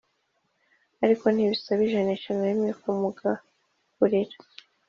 ariko ntibisaba ijanisha na rimwe kumugaburira.